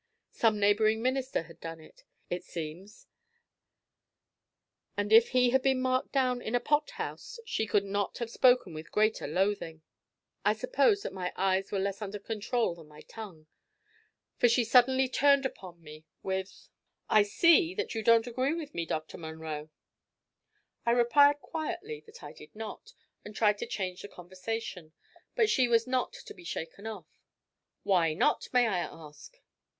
Some neighbouring minister had done it, it seems; and if he had been marked down in a pot house she could not have spoken with greater loathing. I suppose that my eyes were less under control than my tongue, for she suddenly turned upon me with: "I see that you don't agree with me, Dr. Munro." I replied quietly that I did not, and tried to change the conversation; but she was not to be shaken off. "Why not, may I ask?"